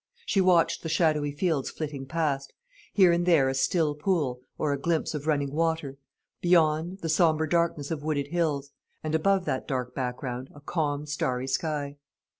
She watched the shadowy fields flitting past; here and there a still pool, or a glimpse of running water; beyond, the sombre darkness of wooded hills; and above that dark background a calm starry sky.